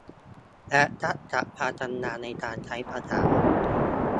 และทักษะความชำนาญในการใช้ภาษา